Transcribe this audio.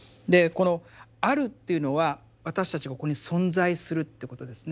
でこの「ある」というのは私たちがここに存在するってことですね。